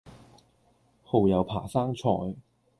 蠔油扒生菜